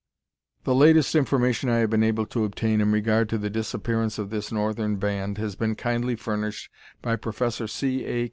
The latest information I have been able to obtain in regard to the disappearance of this northern band has been kindly furnished by Prof. C. A.